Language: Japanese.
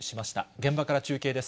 現場から中継です。